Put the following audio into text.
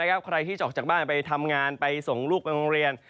ใครที่จะออกจากบ้านไปทำงานไปส่งลูกไปโรงเรียน